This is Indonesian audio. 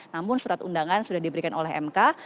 namun surat undangan sudah diberikan oleh mk